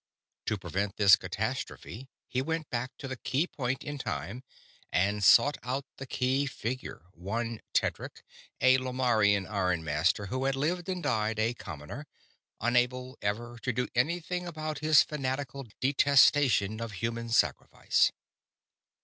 To prevent this catastrophe he went back to the key point in time and sought out the key figure one Tedric, a Lomarrian ironmaster who had lived and died a commoner; unable, ever, to do anything about his fanatical detestation of human sacrifice.